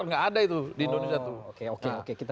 nggak ada itu di indonesia itu